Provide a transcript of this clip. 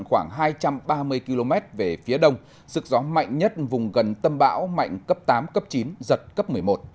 khoảng hai trăm ba mươi km về phía đông sức gió mạnh nhất vùng gần tâm bão mạnh cấp tám cấp chín giật cấp một mươi một